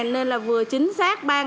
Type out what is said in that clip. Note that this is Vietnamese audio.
nên là vừa chính xác ba một trăm linh